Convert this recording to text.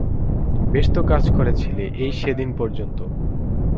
বেশ তো কাজ করছিলে এই সেদিন পর্যন্ত।